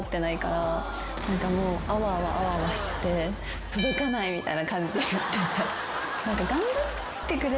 あわあわあわあわして「届かない」みたいな感じで言ってて。